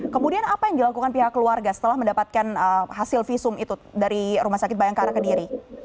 kemudian apa yang dilakukan pihak keluarga setelah mendapatkan hasil visum itu dari rumah sakit bayangkara kediri